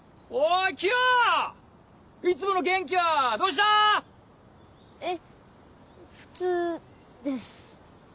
いつもの元気はどうした⁉えっ普通です。